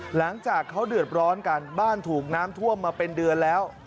หลังจากเขาเดือดร้อนกันบ้านถูกน้ำท่วมมาเป็นเดือนแล้ว